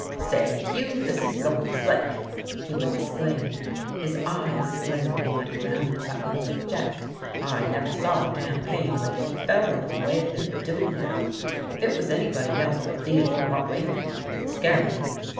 "Say, Hugh, this is goin' slick!" he would exclaim, his eyes glittering like round buttons of jet. "I never saw a campaign where they fell in the way they're doing now. If it was anybody else but Theodore Watling, it would scare me.